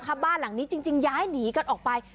ไม่ได้แล้วนะคะบ้านหลังนี้จริงย้ายหนีกันออกไป